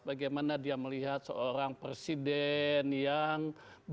bagaimana dia melihat seorang presiden yang banyak menggunakan fasilitas